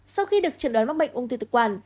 sau khi được triển đoán mắc bệnh ung thư thực quản